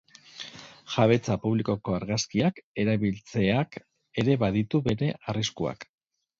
Jabetza publikoko argazkiak erabiltzeak ere baditu bere arriskuak.